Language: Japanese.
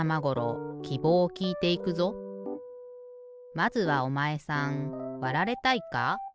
まずはおまえさんわられたいか？